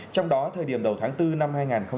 trong đó thời điểm đầu tháng bốn năm hai nghìn hai mươi